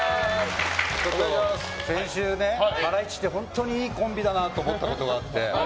先週、ハライチって本当いいコンビだなって思ったことがあって。